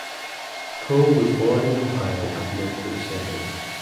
Coe was born in Ohio at Milford Center.